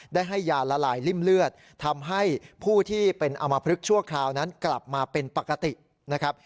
ได้ให้ยาละลายริ่มเลือดทำให้ผู้ที่เป็นอมพลึกชั่วคราวนั้นกลับมาเป็นปกตินะครับ